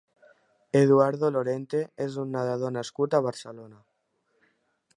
Eduardo Lorente és un nedador nascut a Barcelona.